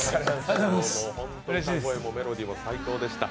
本当に歌声もメロディーも最高でした。